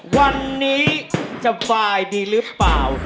วันนี้สบายดีหรือเปล่า